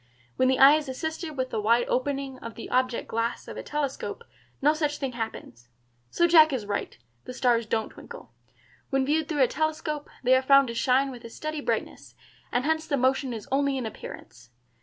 When the eye is assisted with the wide opening of the object glass of a telescope no such thing happens. So Jack is right; the stars don't twinkle. When viewed through a telescope, they are found to shine with a steady brightness, and hence the motion is only in appearance.